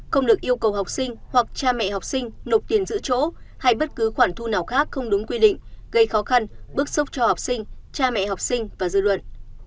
không được yêu cầu học sinh hoặc cha mẹ học sinh nộp tiền giữ chỗ hay bất cứ khoản thu nào khác không đúng quy định gây khó khăn bức xúc cho học sinh cha mẹ học sinh và dư luận